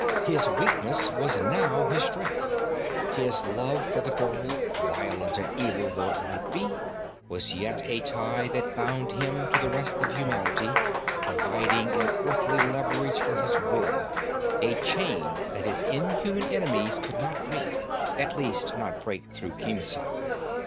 His weakness was now his strength. His love for the girl, violent and evil though it might be, was yet a tie that bound him to the rest of humanity, providing an earthly leverage for his will, a chain that his inhuman enemies could not break; at least not break through Khemsa.